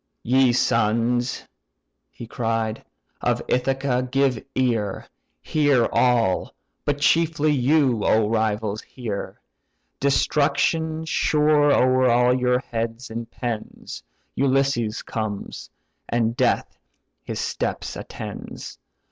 "Ye sons (he cried) of Ithaca, give ear; Hear all! but chiefly you, O rivals! hear. Destruction sure o'er all your heads impends Ulysses comes, and death his steps attends.